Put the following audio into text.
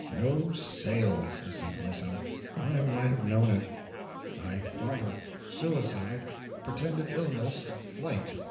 "No sales," I said to myself; "I might have known it." I thought of suicide, pretended illness, flight.